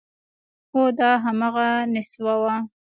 هو، دا همغه نستوه و…